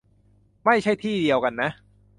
ไม่ใช่ที่เดียวกันนะ